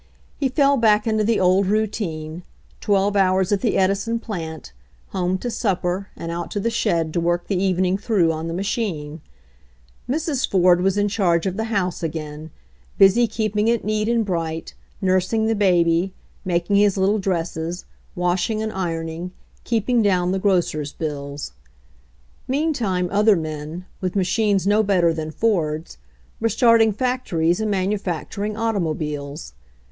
He fell back into the old routine — twelve hours at the Edison plant, home to supper and out to the shed to work the evening through on the ma chine. Mrs. Ford was in charge of the house again, busy keeping it neat and bright, nursing the baby, making his little dresses, washing and ironing, keeping down the grocer's bills. Meantime other men, with machines no better than Ford's, were starting factories and manu facturing automobiles.